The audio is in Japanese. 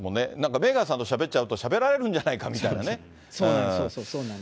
メーガンさんとしゃべっちゃうと、しゃべられるんじゃないかみたいそうそう、そうなんです。